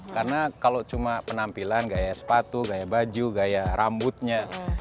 karena kalau cuma penampilan gaya sepatu gaya baju gaya rambutnya